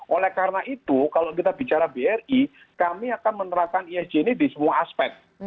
oleh karena itu kalau kita bicara bri kami akan menerapkan esg ini di semua aspek